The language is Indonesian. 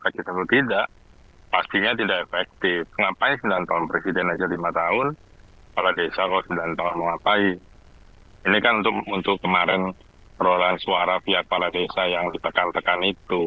kemarin perolahan suara pihak kepala desa yang ditekan tekan itu